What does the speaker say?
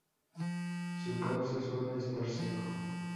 Su cauce suele estar seco.